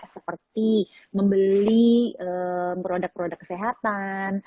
seperti membeli produk produk kesehatan